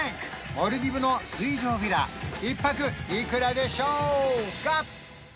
モルディブの水上ヴィラ１泊いくらでしょうか？